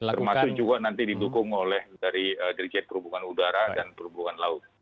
termasuk juga nanti didukung oleh dari dirijen perhubungan udara dan perhubungan laut